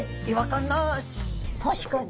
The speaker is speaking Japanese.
確かに。